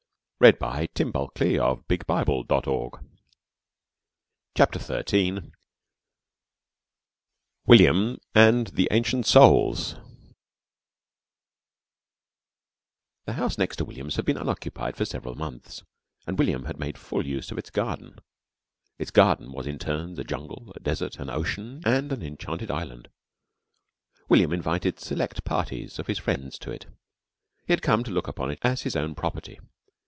I'm puttin' it off for a year or two." CHAPTER XIII WILLIAM AND THE ANCIENT SOULS The house next William's had been unoccupied for several months, and William made full use of its garden. Its garden was in turns a jungle, a desert, an ocean, and an enchanted island. William invited select parties of his friends to it. He had come to look upon it as his own property.